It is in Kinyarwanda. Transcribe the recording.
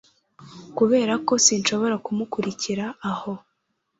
kuberako sinshobora kumukurikira aho